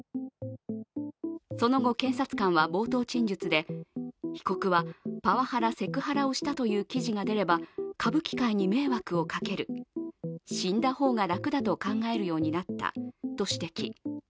その後、検察官は冒頭陳述で被告はパワハラ、セクハラをしたという記事が出れば歌舞伎界に迷惑をかける、死んだ方が楽だと考えるようになったと指摘。